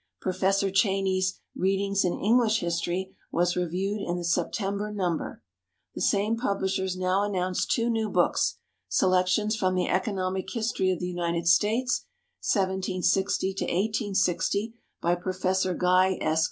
Professor Cheyney's "Readings in English History" was reviewed in the September number. The same publishers now announce two new books: "Selections from the Economic History of the United States, 1760 1860," by Professor Guy S.